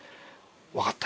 「わかった！